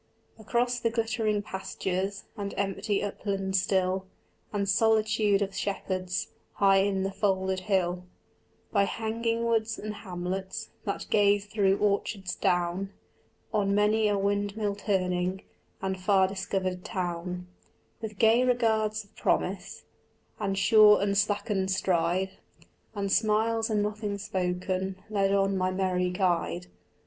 Across the glittering pastures And empty upland still And solitude of shepherds High in the folded hill, By hanging woods and hamlets That gaze through orchards down On many a windmill turning And far discovered town, With gay regards of promise And sure unslackened stride And smiles and nothing spoken Led on my merry guide.